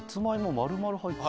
丸々入って。